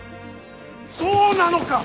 そうなのか！？